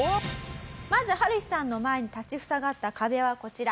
まずハルヒさんの前に立ち塞がった壁はこちら。